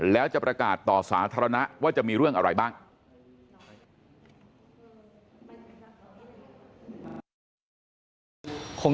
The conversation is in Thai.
แล้วจะประกาศต่อสาธารณะว่าจะมีเรื่องอะไรบ้าง